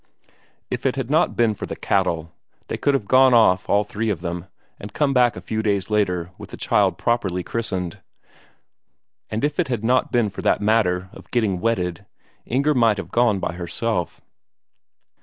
If it had not been for the cattle, they could have gone off all three of them, and come back a few days later with the child properly christened. And if it had not been for that matter of getting wedded, Inger might have gone by herself.